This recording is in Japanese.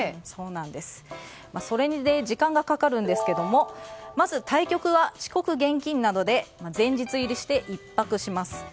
それで時間がかかるんですけどもまず対局は遅刻厳禁なので前日入りして１泊します。